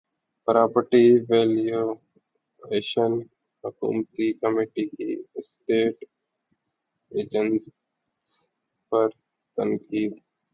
property valuation حکومتی committee کی estate agents پر تنقید